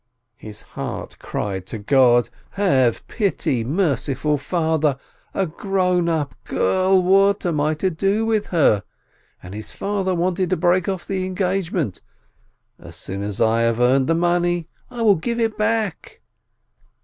His heart cried to God: "Have pity, merciful Father! A grown up girl — what am I to do with her ? And his father wanted to break off the engagement. As soon as I have earned the money, I will give it back